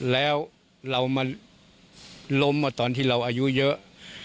แล้วเรามาล้มมาตอนที่เราอายุเยอะ